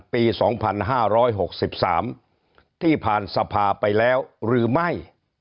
ปี๒๕๖๓ที่ผ่านสภาไปแล้วหรือไม่